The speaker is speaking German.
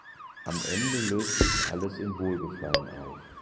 Am Ende löst sich alles in Wohlgefallen auf.